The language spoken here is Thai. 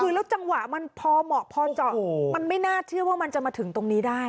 คือแล้วจังหวะมันพอเหมาะพอเจาะมันไม่น่าเชื่อว่ามันจะมาถึงตรงนี้ได้